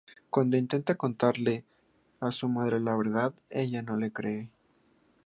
Cuando intenta contarle a su madre la verdad ella no le cree.